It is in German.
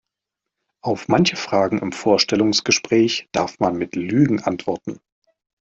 Auf manche Fragen im Vorstellungsgespräch darf man mit Lügen antworten.